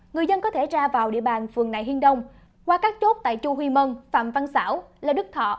người dân có thể ra vào địa bàn phường nại hiên đông qua các chốt tại chu huy mô phạm văn xảo lê đức thọ